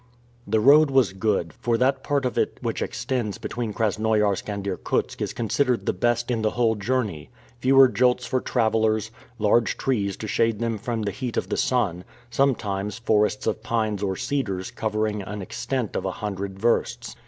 The road was good, for that part of it which extends between Krasnoiarsk and Irkutsk is considered the best in the whole journey; fewer jolts for travelers, large trees to shade them from the heat of the sun, sometimes forests of pines or cedars covering an extent of a hundred versts.